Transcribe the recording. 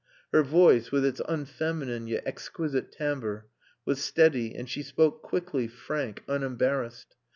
Her voice, with its unfeminine yet exquisite timbre, was steady, and she spoke quickly, frank, unembarrassed.